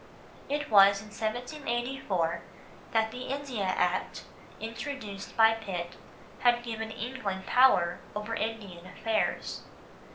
It was in 1784 that the India Act, introduced by Pitt, had given England power over Indian affairs.